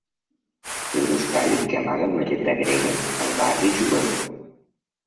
Pedruscall que amaga una lletra grega al barri jueu.